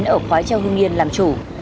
ở khói châu hương yên làm chủ